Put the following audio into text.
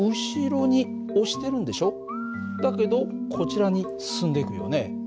だけどこちらに進んでいくよね。